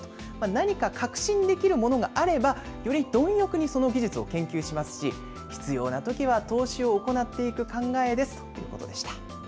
何か確信できるものがあればより貪欲にその技術を研究しますし、必要なときは投資を行っていく考えですということでした。